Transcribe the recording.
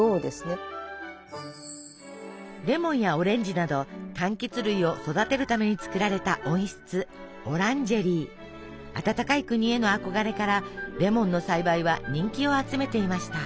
レモンやオレンジなどかんきつ類を育てるために作られた温室暖かい国への憧れからレモンの栽培は人気を集めていました。